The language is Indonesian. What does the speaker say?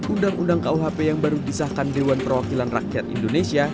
undang undang kuhp yang baru disahkan dewan perwakilan rakyat indonesia